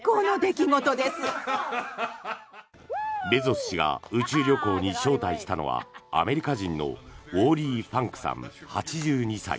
ベゾス氏が宇宙旅行に招待したのはアメリカ人のウォーリー・ファンクさん８２歳。